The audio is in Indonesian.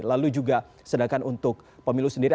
lalu juga sedangkan untuk pemilu sendiri